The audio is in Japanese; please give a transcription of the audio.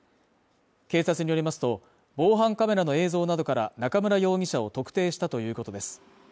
警察によりますと、防犯カメラの映像などから中村容疑者を特定したということです。